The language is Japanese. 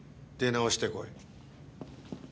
出直してこい。